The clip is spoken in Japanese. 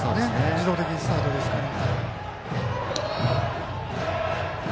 自動的にスタートですから。